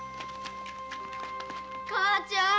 母ちゃん。